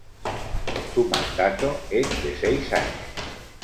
Su mandato es de seis años.